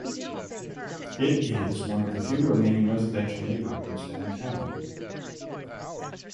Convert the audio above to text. It is one of few remaining residential neighborhoods downtown.